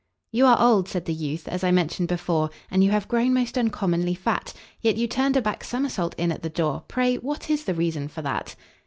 "You are old," said the youth, "as I mentioned before, And you have grown most uncommonly fat; Yet you turned a back somersault in at the door Pray what is the reason for that?"